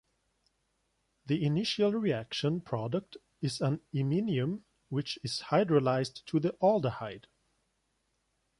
The initial reaction product is an iminium which is hydrolyzed to the aldehyde.